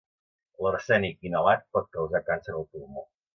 L'arsènic inhalat pot causar càncer al pulmó.